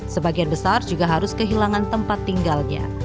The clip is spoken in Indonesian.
sebagian besar juga harus kehilangan tempat tinggalnya